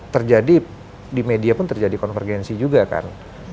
terjadi di media pun terjadi konvergensi juga kan